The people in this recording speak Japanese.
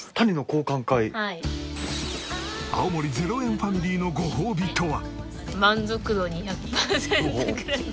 青森０円ファミリーのご褒美とは？